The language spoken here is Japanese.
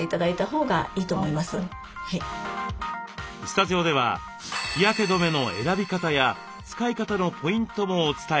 スタジオでは日焼け止めの選び方や使い方のポイントもお伝えします。